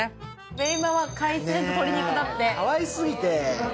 ベイマは海鮮、鶏肉だって。